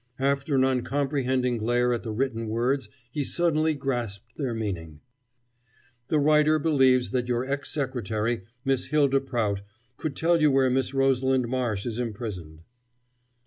After an uncomprehending glare at the written words he suddenly grasped their meaning. The writer believes that your ex secretary, Miss Hylda Prout, could tell you where Miss Rosalind Marsh is imprisoned.